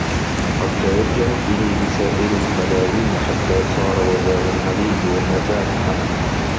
قَدْ تَوَجَّهَتْ إلَيْهِ سَائِرُ الْمَلَاوِمِ حَتَّى صَارَ وَبَالًا عَلَيْهِ وَمَذَامَّ